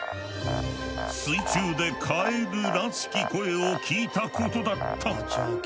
水中でカエルらしき声を聞いたことだった。